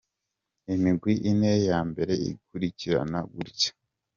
Imigwi ine ya mbere ikurikirana gutya: .